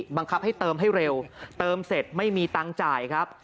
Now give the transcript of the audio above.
บังคับให้เติมให้เร็วเติมเสร็จไม่มีตังค์จ่ายครับ